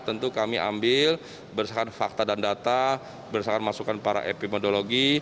tentu kami ambil berdasarkan fakta dan data berdasarkan masukan para epidemiologi